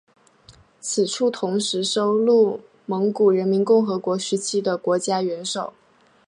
此处同时收录蒙古人民共和国时期的国家元首。